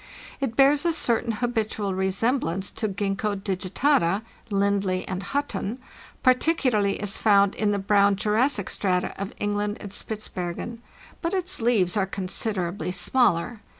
It bears a certain habitual resemblance to Gingko digitata (Lindley and Hutton), particularly as found in the brown Jurassic strata of England and Spitzbergen: but its leaves are considerably smaller.